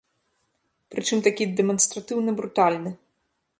Прычым такі дэманстратыўна брутальны.